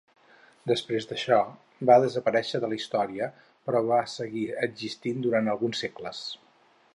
Després d'això va desaparèixer de la història però va seguir existint durant alguns segles.